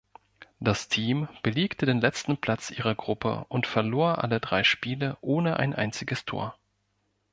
Das Team belegte den letzten Platz ihrer Gruppe und verlor alle drei Spiele ohne ein einziges Tor.